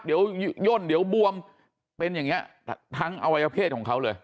เดี๋ยวย่นเดี๋ยวบวมเป็นอย่างนี้ทั้งอวัยวเพศของเขาเลย